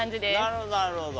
なるほどなるほど。